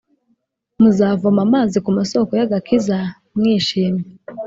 Muzavoma amazi ku masoko y’agakiza, mwishimye,